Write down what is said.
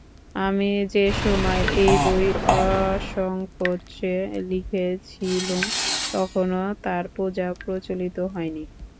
আমি যে-সময়ে এই বই অসংকোচে লিখেছিলুম তখনও তাঁর পূজা প্রচলিত হয় নি।